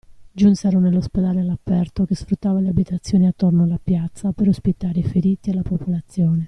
Giunsero nell'ospedale all'aperto, che sfruttava le abitazioni attorno la piazza per ospitare i feriti e la popolazione.